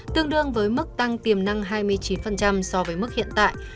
tương đương với mức tăng tiềm năng hai mươi chín so với mức hiện tại